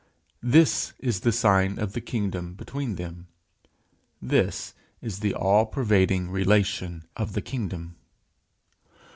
This is the sign of the kingdom between them. This is the all pervading relation of the kingdom.